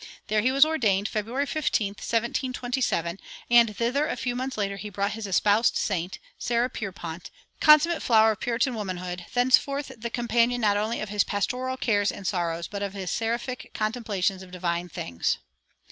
There he was ordained February 15, 1727, and thither a few months later he brought his "espousèd saint," Sarah Pierpont, consummate flower of Puritan womanhood, thenceforth the companion not only of his pastoral cares and sorrows, but of his seraphic contemplations of divine things.